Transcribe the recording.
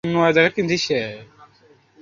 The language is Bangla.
এত রাতেও চোখে-মুখে স্নিগ্ধ আভা।